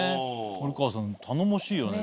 森川さん頼もしいよね。